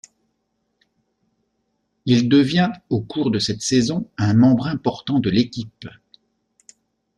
Il devient, au cours de cette saison, un membre important de l'équipe.